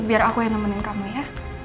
biar aku yang nemenin kamu ya